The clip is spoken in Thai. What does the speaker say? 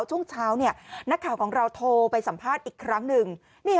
ช่วงเช้านักข่าวของเราโทรไปสัมภาษณ์อีกครั้งหนึ่ง